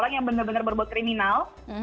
orang yang benar benar berbuat kriminal